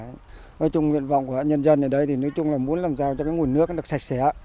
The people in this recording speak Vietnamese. nói chung nguyện vọng của nhân dân ở đây là muốn làm sao cho cái nguồn nước được sạch sẽ